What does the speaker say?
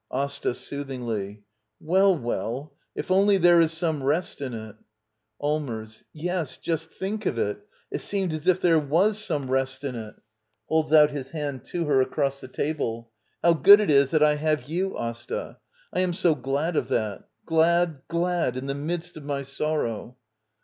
ASTA. [Soothingly.] Well, well, if only there is some rest in it — Allmers. Yes, just think of it — it seemed as if there was some rest in it! [Holds out his hand to her across the table.] How good it is that I have you, Asta. I am so glad of that. Glad, glad — in the midst of my sorrow.